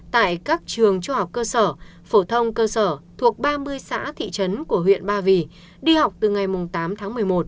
tại các trường trung học cơ sở phổ thông cơ sở thuộc ba mươi xã thị trấn của huyện ba vì đi học từ ngày tám tháng một mươi một